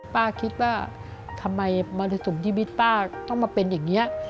ป้าคิดว่าทำไมมรสุมชีวิตป้าต้องมาเป็นอย่างนี้